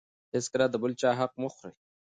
هېڅکله د بل چا حق مه خورئ.